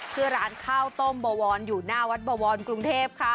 ชื่อร้านข้าวต้มบวรอยู่หน้าวัดบวรกรุงเทพค่ะ